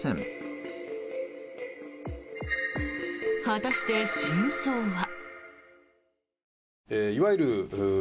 果たして、真相は。